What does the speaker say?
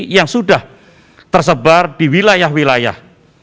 yang sudah tersebar di wilayah wilayah